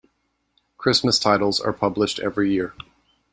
Christmas titles are published every year.